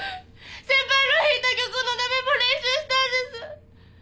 先輩が弾いた曲のだめも練習したんです！